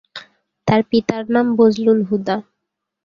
তার পিতার নাম বজলুল হুদা।